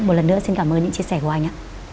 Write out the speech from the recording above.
một lần nữa xin cảm ơn những chia sẻ của anh ạ